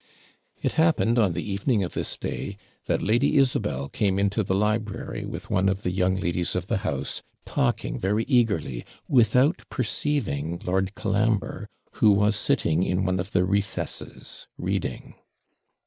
It happened, on the evening of this day, that Lady Isabel came into the library with one of the young ladies of the house, talking very eagerly, without perceiving Lord Colambre, who was sitting in one of the recesses reading.